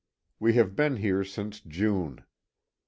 We have been here since June.